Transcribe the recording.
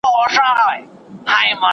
تعصب د وېرې نه ځواک اخلي